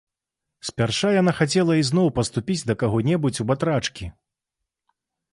Спярша яна хацела ізноў паступіць да каго-небудзь у батрачкі.